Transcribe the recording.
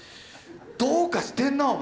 「どうかしてんなお前！